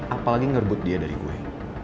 apalagi ngerebut dia dari gue